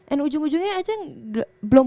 and ujung ujungnya aja belum